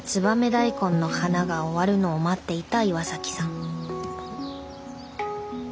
大根の花が終わるのを待っていた岩さん。